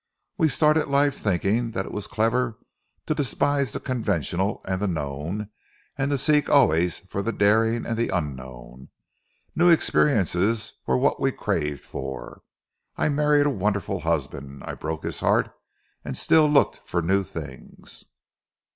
We started life thinking that it was clever to despise the conventional and the known and to seek always for the daring and the unknown. New experiences were what we craved for. I married a wonderful husband. I broke his heart and still looked for new things.